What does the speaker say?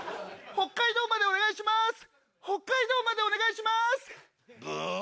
北海道までお願いします！